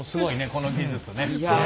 この技術ね。